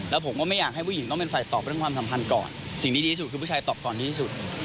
แล้วผมก็ไม่อยากให้ผู้หญิงต้องเป็นฝ่ายตอบเรื่องความสัมพันธ์ก่อนสิ่งที่ดีที่สุดคือผู้ชายตอบก่อนดีที่สุด